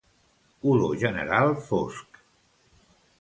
Color general fosc.